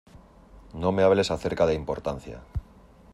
No me hables acerca de importancia.